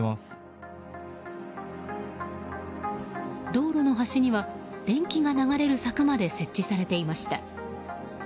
道路の端には電気が流れる柵まで設置されていました。